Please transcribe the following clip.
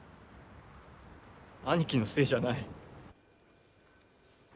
兄貴のせいじゃない。